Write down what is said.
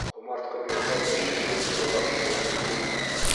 Ҡомартҡы бирһәгеҙ, Ельцинды ла үлтерәм!